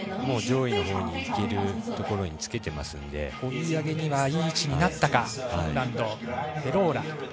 上位のほうにいけるところにつけていますので追い上げにはいい位置になったフィンランド、ヘローラ。